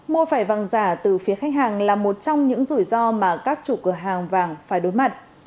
mua phải vàng giả từ phía khách hàng là một trong những rủi ro mà các chủ cửa hàng vàng phải đối mặt